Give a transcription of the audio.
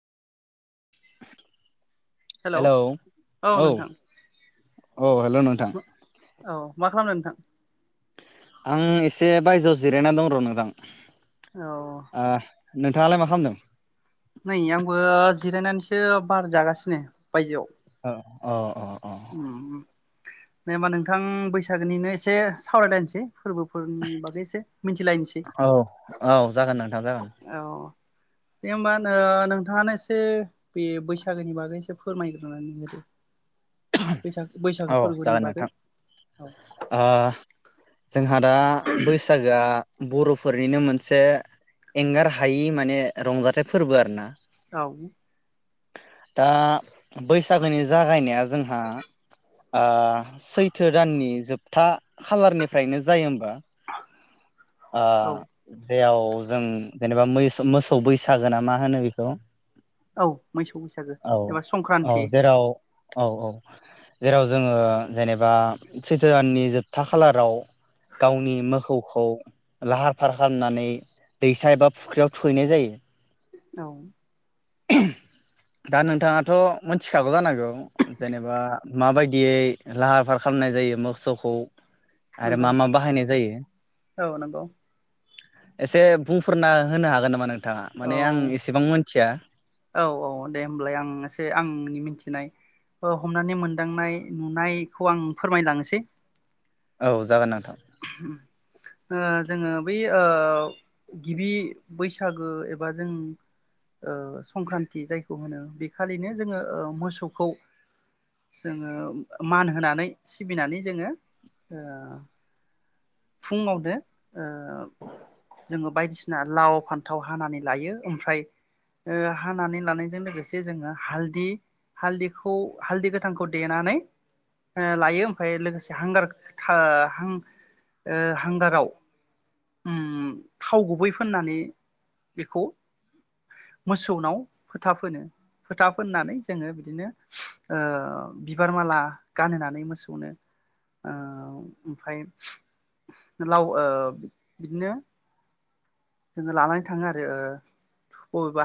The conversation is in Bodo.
हेलौ हेल' औ औ हेल' नोंथां। औ मा खालामदों नोंथां? आं एसे बायजोआव जिरायना दं र' नोंथां। ओ औ नोंथाङालाय मा खालामदों? नै आंबो जिरायनानैसो बार जागासिनो बायजोआव। औ अ अ उमउ दे होनबा नोंथां बैसागोनिनो एसे सावरायलायनोसै। फोरबोफोरनि बागै एसे मिथिलायनोसै औ औ जागोन नोंथां जागोन औ दे होमबा नो-नोंथाङानो एसे बे बैसागोनि बागै एसे फोरमायग्रोनानै होदो। बैसाग बैसागो फोरबोनि बागै औ आ जोंहा दा बैसागोआ बर'फोरनिनो मोनसे एंगार हायि माने रंजाथाइ फोरबो आरोना औ दा बैसागोनि जागायनाया जोंहा ओ सैथो दाननि जोबथा खालारनिफ्रायनो जायो होमबा आ औ जेआव जों जेनेबा मैसो मोसौ बैसागो ना मा होनो बेखौ औ मोसौ बैसागो औ एबा औ संक्रान्ति जेराव औ औ जेराव जोङो जेनेबा सैथ्र दाननि जोबथा खालाराव गावनि मोखौखौ लाहार फाहार खालामनानै दैसा एबा फुख्रियाव थुखैनाय जायो। औ दा नोंथाङाथ' मोनथिखागौ जानांगौ जेनेबा माबायदियै लाहार फाहार खालामनाय जायो मोसौखौ आरो नंगौ मा मा बाहायनाय जायो। औ नंगौ एसे बुंफोरना होनो हागोन नामा नों थाङा माने आं औ एसेबां मोनथिया। औ औ दे होमबालाय आं एसे आंनि मिथिनाय हमनानै मोनदांनाय नुनायखौ आं फोरमायलांनोसै औ जागोन नों [inaudible] ओ जोङो बै ओ गिबि बैसागो एबा जों ओ संक्रान्ति जायखौ होनो बेखालिनो जोङो ओ मोसौखौ जोङो मान होनानै सिबिनानै जोङो ओ फुङावनो ओ जोङो बायदिसिना लाव फान्थाव हानानै लायो ओमफ्राय ओ हानानै लानायजों लोगोसे जोङो हालदि हालदिखौ हालदि गोथांखौ देनानै ओ लायो ओमफ्राय लोगोसे हांगार ओ हां ओ हांगाराव उम थाव गुबै फोननानै बेखौ मोसौनाव फोथा फोनो फोथा फोननानै जोङो बिदिनो ओ बिबार माला गानहोनानै मोसौनो ओ ओमफ्राय लाव ओ बिदिनो जोङो लानानै थाङो आरो बबेबा